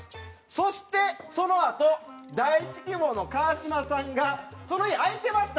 そしてそのあと第１希望の川島さんが「その日空いてました。